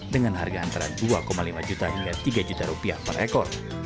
dengan harga antara dua lima juta hingga tiga juta rupiah per ekor